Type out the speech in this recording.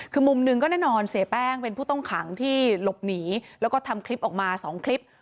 คือมุมหนึ่งก็แน่นอนเสียแป้งเป็นผู้ต้องขังที่หลบหนีแล้วก็ทำคลิปออกมา๒คลิป